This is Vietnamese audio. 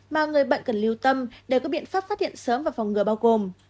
bởi bệnh cần lưu tâm để có biện pháp phát hiện sớm và phòng ngừa bao gồm